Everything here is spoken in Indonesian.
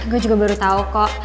gue juga baru tahu kok